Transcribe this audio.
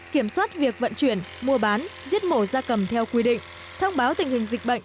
kiểm soát việc vận chuyển mua bán giết mổ da cầm theo quy định thông báo tình hình dịch bệnh